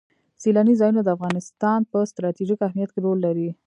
سیلانی ځایونه د افغانستان په ستراتیژیک اهمیت کې رول لري.